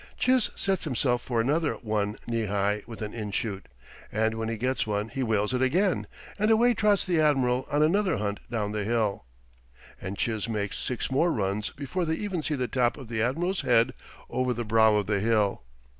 Chiz sets himself for another one knee high with an inshoot, and when he gets one he whales it again, and away trots the admiral on another hunt down the hill. And Chiz makes six more runs before they even see the top of the admiral's head over the brow of the hill.